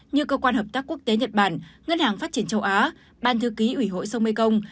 như cơ quan hợp tác quốc tế nhật bản ngân hàng phát triển châu á ban thư ký ủy hội sông mekong